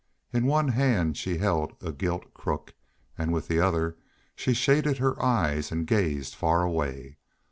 In one hand she held a gilt crook and with the other she shaded her eyes and gazed far away.